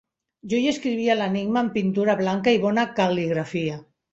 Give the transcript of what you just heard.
Jo hi escrivia l'enigma amb pintura blanca i bona cal·ligrafia.